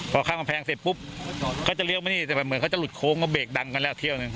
พอข้ามกำแพงเสร็จปุ๊บเขาจะเลี้ยวมานี่แต่แบบเหมือนเขาจะหลุดโค้งก็เบรกดังกันแล้วเที่ยวหนึ่ง